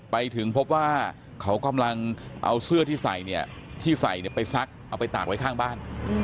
ไปถึงพบว่าเขากำลังเอาเสื้อที่ใส่เนี่ยที่ใส่ไปซักเอาไปตากไว้ข้างบ้าน